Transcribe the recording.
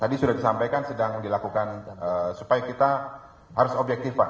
tadi sudah disampaikan sedang dilakukan supaya kita harus objektif pak